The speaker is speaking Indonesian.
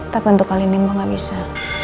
tapi untuk kali ini mah gak bisa